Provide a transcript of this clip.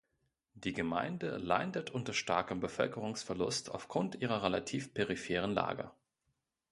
Die Gemeinde leidet unter starkem Bevölkerungsverlust aufgrund ihrer relativ peripheren Lage.